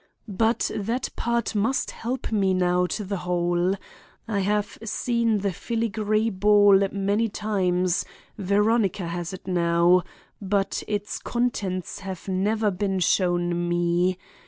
But that part must help me now to the whole. I have seen the filigree ball many times; Veronica has it now. But its contents have never been shown me.